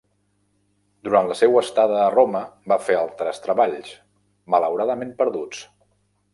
Durant la seua estada a Roma va fer altres treballs, malauradament perduts.